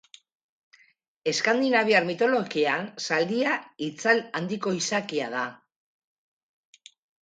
Eskandinaviar mitologian zaldia itzal handiko izakia da.